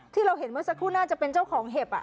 ที่เราเห็นเมื่อสักครู่น่าจะเป็นเจ้าของเห็บ